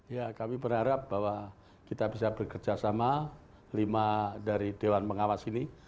ya kami berharap bahwa kita bisa bekerja sama lima dari dewan pengawas ini